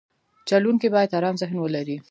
چلوونکی باید ارام ذهن ولري.